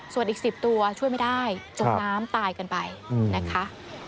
ส่วนอีก๑๐ตัวช่วยไม่ได้จมน้ำตายกันไปนะคะ